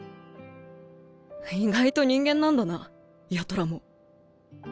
意外と人間なんだな八虎も。